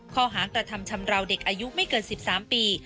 หางกระทำชำราวเด็กอายุไม่เกิน๑๓ปี